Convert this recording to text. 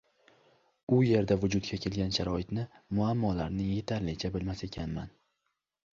u yerda vujudga kelgan sharoitni, muammolarni yetarlicha bilmas ekanman.